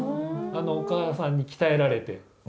ああのお義母さんに鍛えられて。